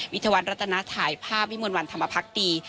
วิทยาวันรัตนาถ่ายภาพวิมวลวันธรรมภักดี